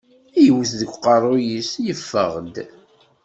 Yewwet deg uqerru-ines yeffeɣ-d.